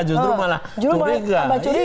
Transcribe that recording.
justru malah curiga